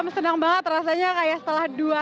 senang banget rasanya kayak setelah dua